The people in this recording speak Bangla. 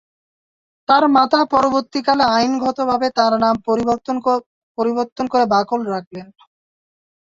তার মাতা পরবর্তীকালে আইনগতভাবে তার নাম পরিবর্তন করে বাকল রাখেন।